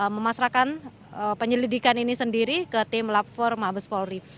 memasrakan penyelidikan ini sendiri ke tim lab empat mabes polri